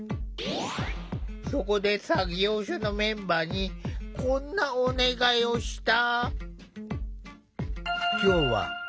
そこで作業所のメンバーにこんなお願いをした。